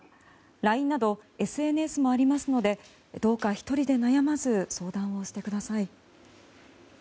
ＬＩＮＥなどＳＮＳもありますのでどうか１人で悩まず相談をしてください。